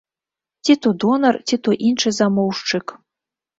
Ці то донар, ці то іншы замоўшчык.